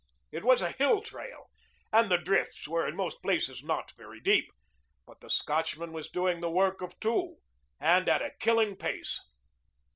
It was a hill trail, and the drifts were in most places not very deep. But the Scotchman was doing the work of two, and at a killing pace.